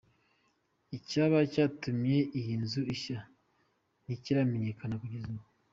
Icyaba yatumye iyi nzu ishya ntikiramenyekana kugeza ubu.